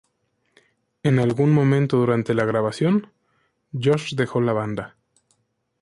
En algún momento durante la grabación, Josh dejó la banda.